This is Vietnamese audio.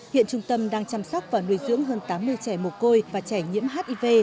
hiện trung tâm đang chăm sóc và nuôi dưỡng hơn tám mươi trẻ mồ côi và trẻ nhiễm hiv